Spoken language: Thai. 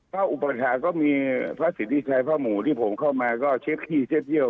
อุปถาก็มีพระสิทธิชัยพระหมู่ที่ผมเข้ามาก็เช็คที่เช็ดเยี่ยว